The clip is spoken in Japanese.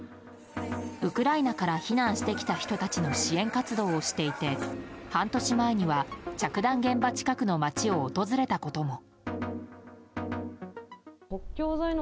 ウクライナから避難してきた人たちの支援活動をしていて半年前には着弾現場近くの街を訪れたことも。